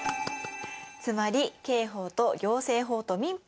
つまり刑法と行政法と民法。